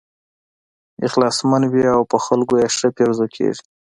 اخلاصمن وي او په خلکو یې ښه پیرزو کېږي.